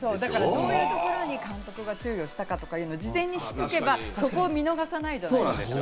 どういうところに監督が注意したのかを事前に知っておけばそこを見逃さないじゃないですか。